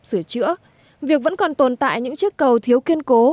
từ trước việc vẫn còn tồn tại những chiếc cầu thiếu kiên cố